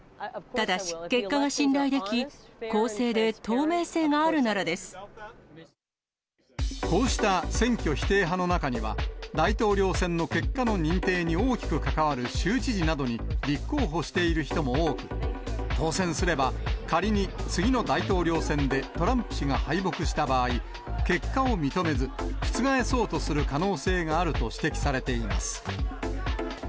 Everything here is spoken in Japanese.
ただし、結果が信頼でき、こうした選挙否定派の中には、大統領選の結果の認定に大きく関わる州知事などに立候補している人も多く、当選すれば、仮に次の大統領選でトランプ氏が敗北した場合、結果を認めず、覆そうとする可能性があると指摘されています。